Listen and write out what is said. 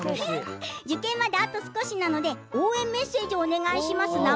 受験まであと少しなので応援メッセージをお願いします。